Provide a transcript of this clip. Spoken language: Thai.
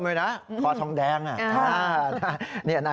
ไม่ได้เป็นคนจุดไฟเผา